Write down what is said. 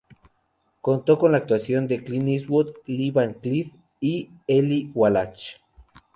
Contó con la actuación de Clint Eastwood, Lee Van Cleef y Eli Wallach.